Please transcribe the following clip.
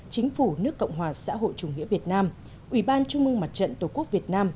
chính phủ nước cộng hòa xã hội chủ nghĩa việt nam ủy ban trung mương mặt trận tổ quốc việt nam